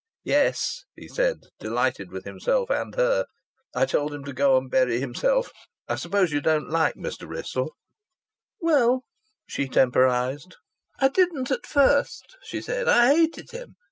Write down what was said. "Yes," he said, delighted with himself and her. "I told him to go and bury himself!" "I suppose you don't like Mr. Wrissell?" "Well " he temporized. "I didn't at first," she said. "I hated him.